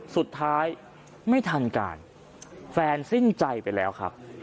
สุดท้ายไม่ทันการแฟนสิ้นใจไปแล้วครับ